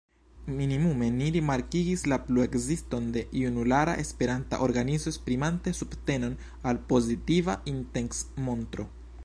Minimume ni rimarkigis la pluekziston de junulara esperanta organizo esprimante subtenon al pozitiva intencmontro.